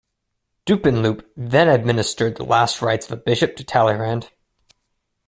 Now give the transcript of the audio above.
Dupanloup then administered the last rites of a bishop to Talleyrand.